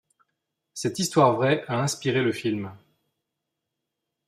Cette histoire vraie a inspiré le film.